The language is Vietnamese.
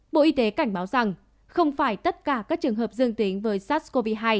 bộ y tế cảnh báo rằng không phải tất cả các trường hợp dương tính với sars cov hai